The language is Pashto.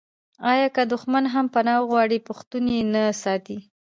آیا که دښمن هم پنا وغواړي پښتون یې نه ساتي؟